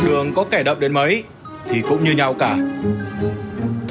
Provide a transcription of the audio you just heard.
đúng cái đoạn cua này